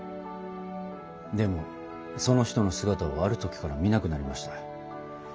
でもその人の姿はある時から見なくなりました。